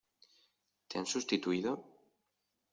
¿ Te han sustituido?